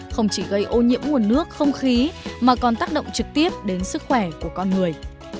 không chỉ gây ô nhiễm nguồn nước không khí mà còn tác động trực tiếp đến sức khỏe của con người